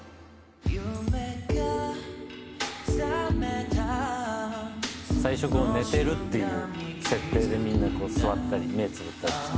「夢が覚めた」「最初寝てるっていう設定でみんな座ったり目つぶったりして」